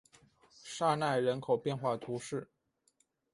沙奈人口变化图示